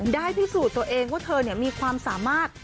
ได้พิสูจน์ตัวเองว่าเธอมีความสามารถ